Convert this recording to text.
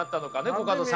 コカドさん。